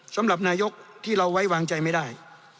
สำหรับนายกที่เราไว้วางใจไม่ได้